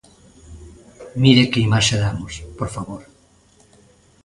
Mire que imaxe damos, por favor.